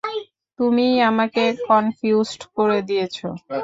তুমিই আমাকে কনফিউজড করে দিয়েছো।